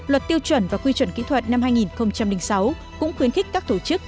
luật tiêu chuẩn và quy chuẩn kỹ thuật năm hai nghìn sáu cũng khuyến khích các tổ chức